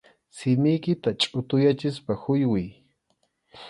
Simiykita chʼutuyachispa huywiy.